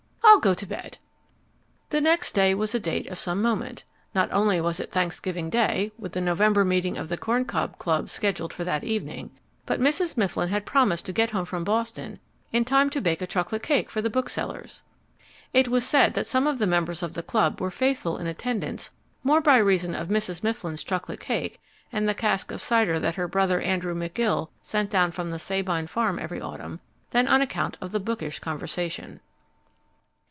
I'll go to bed." The next day was a date of some moment. Not only was it Thanksgiving Day, with the November meeting of the Corn Cob Club scheduled for that evening, but Mrs. Mifflin had promised to get home from Boston in time to bake a chocolate cake for the booksellers. It was said that some of the members of the club were faithful in attendance more by reason of Mrs. Mifflin's chocolate cake, and the cask of cider that her brother Andrew McGill sent down from the Sabine Farm every autumn, than on account of the bookish conversation.